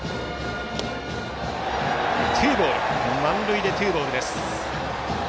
満塁でツーボールです。